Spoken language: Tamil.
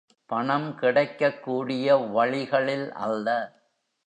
பணம் கிடைக்கக்கூடிய வழிகளில் அல்ல.